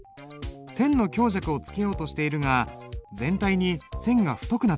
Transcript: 線の強弱をつけようとしているが全体に線が太くなってしまっているね。